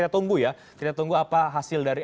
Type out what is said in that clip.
kita tunggu ya kita tunggu apa hasil dari